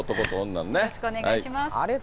よろしくお願いします。